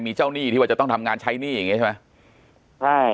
มีเจ้าหนี้ที่ว่าจะต้องทำงานใช้หนี้อย่างเงี้ใช่ไหมใช่